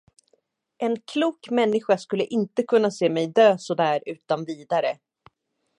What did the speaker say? En klok människa skulle inte kunna se mig dö så där utan vidare.